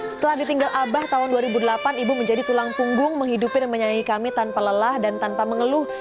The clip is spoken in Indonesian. setelah ditinggal abah tahun dua ribu delapan ibu menjadi tulang punggung menghidupi dan menyayangi kami tanpa lelah dan tanpa mengeluh